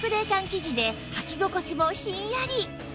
生地ではき心地もひんやり